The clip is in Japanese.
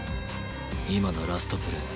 今のラストプレー